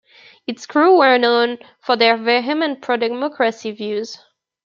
Its crew were known for their vehement pro-democracy views.